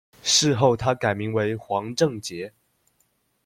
事后他改名为「黄钲杰」。